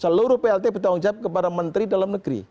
seluruh plt bertanggung jawab kepada menteri dalam negeri